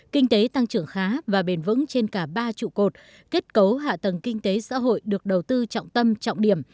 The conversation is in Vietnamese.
kinh tế tăng trưởng khá và bền vững trên cả ba trụ cột kết cấu hạ tầng kinh tế xã hội được đầu tư trọng tâm trọng điểm